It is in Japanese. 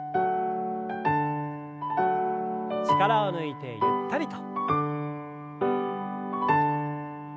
力を抜いてゆったりと。